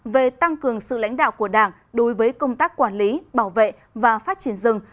về tăng cường sự lãnh đạo của đảng đối với công tác quản lý bảo vệ và phát triển rừng